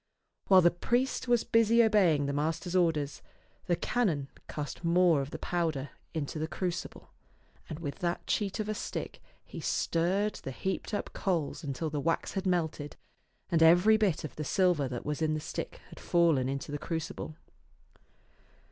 While the priest was busy obeying the master's orders, the canon cast more of the powder into the crucible, and with that cheat of a stick he stirred the heaped up coals until the wax had melted and every bit of the silver that was in the stick had fallen into the crucible.